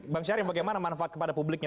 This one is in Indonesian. bang syarif bagaimana manfaat kepada publiknya